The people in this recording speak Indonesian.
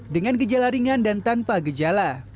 dengan gejala ringan dan tanpa gejala